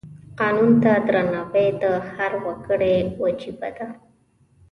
قانون ته درناوی د هر وګړي وجیبه ده.